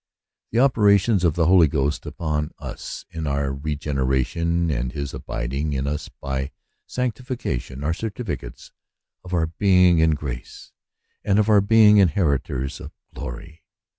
The operations of the Holy Ghost upon us in our regeneration, and his abiding in us by sanctification, are certificates of our being in grace, and of our being inheritors of glory.